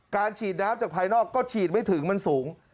ฉีดน้ำจากภายนอกก็ฉีดไม่ถึงมันสูง